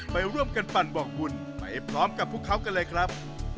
ไปร่วมกันปั่นบอกบุญไปพร้อมกับพวกเขากันเลยครับ